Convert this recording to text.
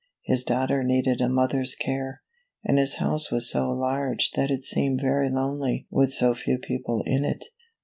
His daughter needed a mothers care, and his house was so large that it seemed very lonely with so few people in it.